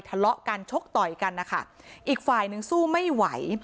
ทะเลาะกันชกต่อยกันนะคะอีกฝ่ายหนึ่งสู้ไม่ไหว